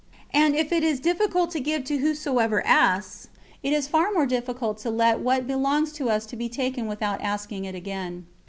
And if it is difficult to give to whosoever asks, it is far more difficult to let what belongs to us be taken without asking it again.